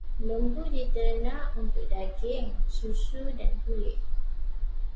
Lembu diternak untuk daging, susu dan kulit.